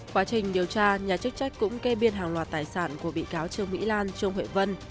quá trình điều tra nhà chức trách cũng kê biên hàng loạt tài sản của bị cáo trương mỹ lan trương huệ vân